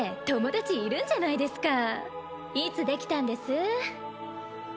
友達いるんじゃないですかいつできたんです？